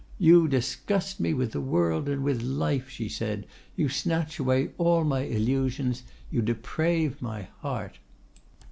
'You disgust me with the world and with life.' she said; 'you snatch away all my illusions; you deprave my heart.